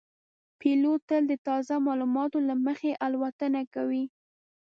پیلوټ تل د تازه معلوماتو له مخې الوتنه کوي.